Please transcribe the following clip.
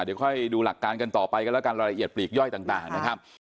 เดี๋ยวค่อยดูหลักการกันต่อไปกันแล้วกันรายละเอียดปลีกย่อยต่างนะครับ